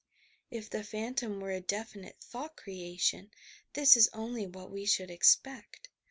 If the phantom were a definite thought creation, this is only what we should expect.